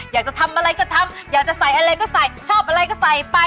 อยากจะทำอะไรก็ทำอยากจะใส่อะไรก็ใส่ชอบอะไรก็ใส่ไป